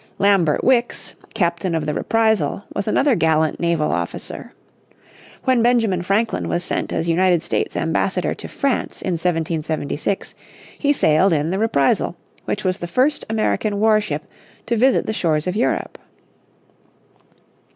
Lambert Wickes, captain of the Reprisal, was another gallant naval officer. When Benjamin Franklin was sent as United States ambassador to France in 1776 he sailed in the Reprisal, which was the first American warship to visit the shores of Europe.